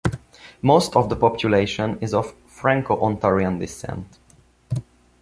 Most of the population is of Franco-Ontarian descent.